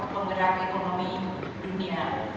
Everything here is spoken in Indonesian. pemgerak ekonomi dunia